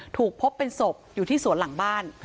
ถูกพบเป็นศพอยู่ที่สวนหลังบ้าน